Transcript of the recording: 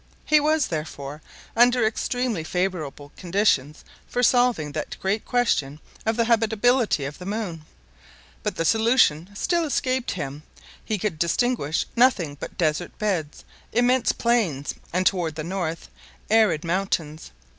He was, therefore, under extremely favorable conditions for solving that great question of the habitability of the moon; but the solution still escaped him; he could distinguish nothing but desert beds, immense plains, and toward the north, arid mountains.